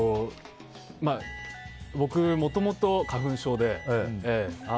僕、もともと花粉症で。